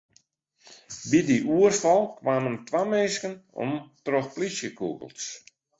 By dy oerfal kamen twa minsken om troch plysjekûgels.